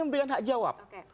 memilih hak jawab